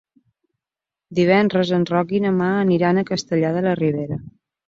Divendres en Roc i na Mar aniran a Castellar de la Ribera.